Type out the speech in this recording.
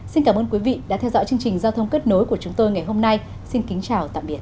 xin cảm ơn quý vị đã theo dõi chương trình giao thông kết nối của chúng tôi ngày hôm nay xin kính chào tạm biệt